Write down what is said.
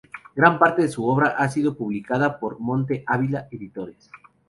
Gran parte de su obra ha sido publicada por Monte Ávila Editores.